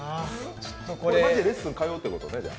マジでレッスンに通うってことね？